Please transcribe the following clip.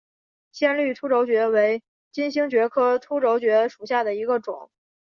鲜绿凸轴蕨为金星蕨科凸轴蕨属下的一个种。